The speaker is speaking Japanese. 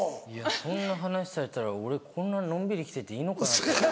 そんな話されたら俺こんなのんびり生きてていいのかなって。